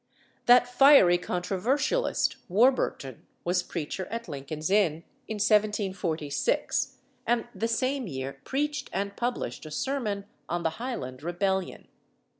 That fiery controversialist Warburton was preacher at Lincoln's Inn in 1746, and the same year preached and published a sermon on the Highland rebellion.